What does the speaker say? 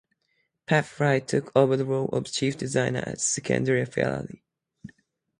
Pat Fry took over the role of Chief Designer at Scuderia Ferrari.